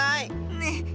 ねえ。